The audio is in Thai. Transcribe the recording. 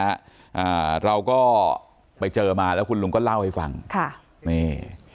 อ่าเราก็ไปเจอมาแล้วคุณลุงก็เล่าให้ฟังค่ะนี่